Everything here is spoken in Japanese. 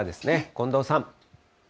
近藤さん。